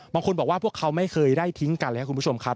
บางคนบอกว่าพวกเขาไม่เคยได้ทิ้งกันเลยครับคุณผู้ชมครับ